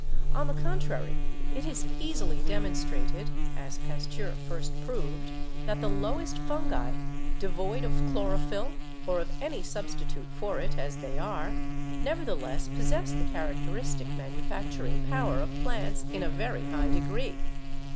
On the contrary, it is easily demonstrated, as Pasteur first proved, that the lowest fungi, devoid of chlorophyll or of any sub stitute for it as they are, nevertheless possess the charac teristic manufacturing power of plants in a very high de gree.